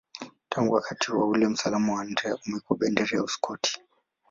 Tangu wakati ule msalaba wa Andrea umekuwa bendera ya Uskoti.